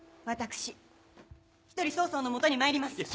私一人曹操の元にまいります。